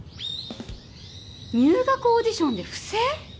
入学オーディションで不正？